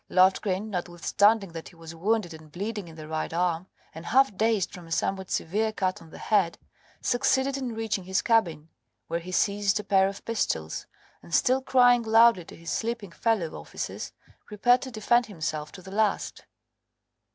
Loftgreen, notwithstanding that he was wounded and bleeding in the right arm, and half dazed from a somewhat severe cut on the head, succeeded in reaching his cabin, where he seized a pair of pistols, and still crying loudly to his sleeping fellow officers, prepared to defend himself to the last.